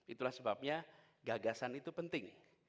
itulah sebabnya gagasan itu penting